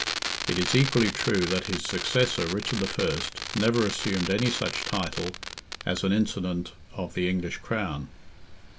It is equally true that his successor, Richard I., never assumed any such title, as an incident of the English crown.